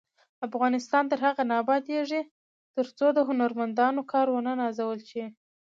افغانستان تر هغو نه ابادیږي، ترڅو د هنرمندانو کار ونه نازول شي.